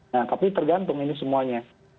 nah tapi tergantung ini semuanya